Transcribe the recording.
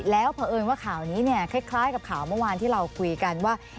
แล้วเผอิญว่าข่าวนี้เนี่ยคล้ายกับข่าวเมื่อวานที่เราคุยกันว่า